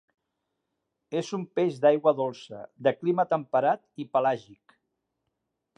És un peix d'aigua dolça, de clima temperat i pelàgic.